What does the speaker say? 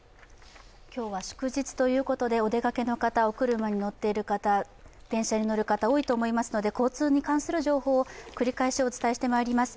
今日は祝日ということで、お出かけの方、お車に乗っている方、電車に乗る方多いと思いますので交通に関する情報を繰り返しお伝えします。